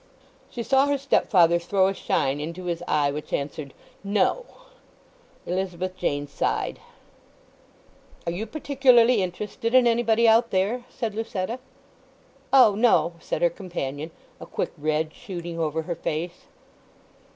She saw her stepfather throw a shine into his eye which answered "No!" Elizabeth Jane sighed. "Are you particularly interested in anybody out there?" said Lucetta. "O, no," said her companion, a quick red shooting over her face.